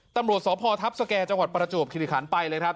ตำรวจสพทัพสแก่จังหวัดประจวบคิริขันไปเลยครับ